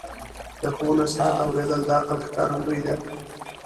د ښو نصیحت اوریدل د عقل ښکارندویي ده.